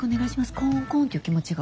コンコンっていう気持ちが。